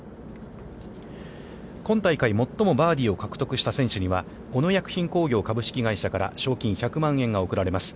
今大会最もバーディーを獲得した選手には、小野薬品工業株式会社から賞金１００万円が贈られます。